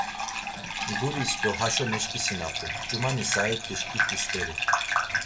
Guris do haşo meşǩisinapu: Ç̌umani saet̆i şǩiti st̆eri…